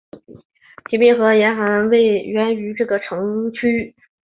疾病和严寒起源于这个地区。